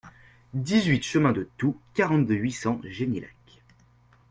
dix-huit chemin de Toux, quarante-deux, huit cents, Genilac